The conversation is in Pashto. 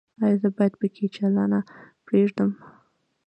ایا زه باید پکۍ چالانه پریږدم؟